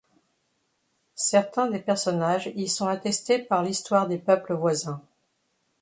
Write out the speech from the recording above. Certains des personnages y sont attestés par l'histoire des peuples voisins.